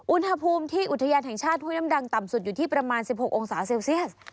อุณหภูมิที่อุทยานแห่งชาติห้วยน้ำดังต่ำสุดอยู่ที่ประมาณ๑๖องศาเซลเซียส